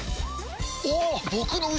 おっ！